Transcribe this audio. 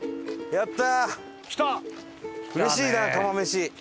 やった！